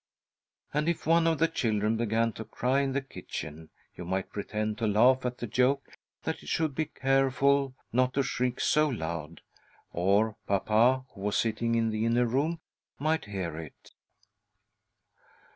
And if one of the children began to cry in the kitchen, you might pretend to laugh at th« joke that it should be careful not to shriek so loud, or. papa (who was sitting in the inner " room ")' might hear it.